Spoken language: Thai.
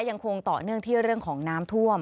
ยังคงต่อเนื่องที่เรื่องของน้ำท่วม